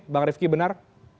bang rifki benar